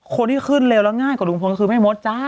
คนที่ขึ้นเร็วแล้วง่ายกว่าลุงพลก็คือแม่มดจ้า